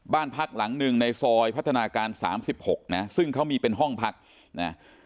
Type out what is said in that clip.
บ้านพักหลังหนึ่งในซอยพัฒนาการสามสิบหกนะซึ่งเขามีเป็นห้องพักนะ